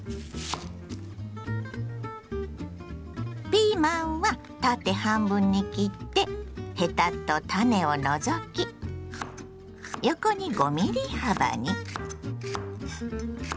ピーマンは縦半分に切ってヘタと種を除き横に５ｍｍ幅に。